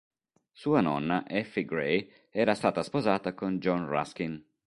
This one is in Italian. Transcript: Sua nonna, Effie Gray era stata sposata con John Ruskin.